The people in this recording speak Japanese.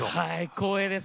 光栄です。